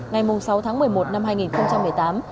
ngày sáu tháng một mươi một năm hai nghìn một mươi tám